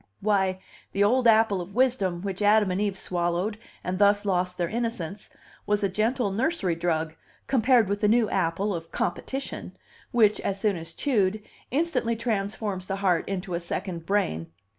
Why, the old apple of wisdom, which Adam and Eve swallowed and thus lost their innocence, was a gentle nursery drug compared with the new apple of competition, which, as soon as chewed, instantly transforms the heart into a second brain.